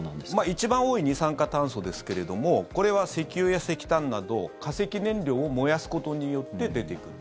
一番多い二酸化炭素ですけれどもこれは石油や石炭など化石燃料を燃やすことによって出てくる。